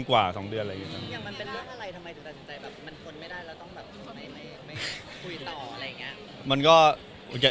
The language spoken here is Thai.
มันเป็นเรื่องอะไรทำไมสิ่งตัดใจ